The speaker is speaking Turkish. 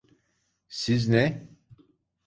Siz ne…